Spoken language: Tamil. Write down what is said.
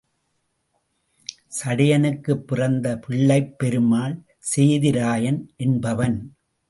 சடையனுக்குப் பிறந்த பிள்ளைப் பெருமாள் சேதிராயன் என்பவன்.